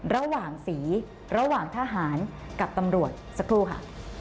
ระหว่างสีระหว่างทหารกับตำรวจสักครู่ค่ะ